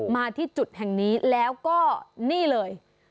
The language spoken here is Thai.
มาที่จุดแห่งนี้แล้วก็นี่เลย